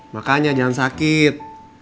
makanya jangan sakit